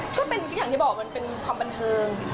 อย่างที่บอกมันเป็นความบันเทิง